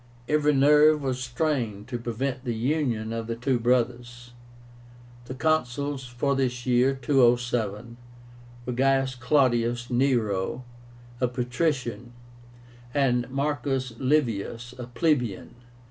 Every nerve was strained to prevent the union of the two brothers. The Consuls for this year (207) were GAIUS CLAUDIUS NERO, a patrician, and MARCUS LIVIUS, a plebeian.